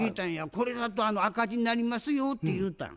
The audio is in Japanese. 「これだと赤字になりますよ」って言うたの。